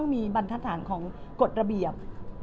มีบรรทฐานของกฎระเบียบ